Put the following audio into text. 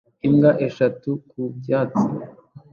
Imbwa eshatu ku byatsi